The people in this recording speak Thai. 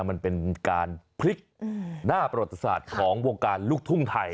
มันเป็นการพลิกหน้าประวัติศาสตร์ของวงการลูกทุ่งไทย